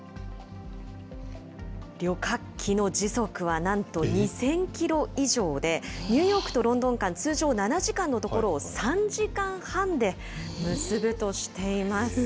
旅客機の時速はなんと２０００キロ以上で、ニューヨークとロンドン間、通常７時間のところを、３時間半で結すごい速さ。